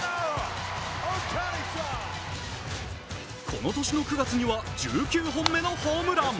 この年の９月には１９本目のホームラン。